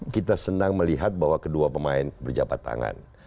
kita senang melihat bahwa kedua pemain berjabat tangan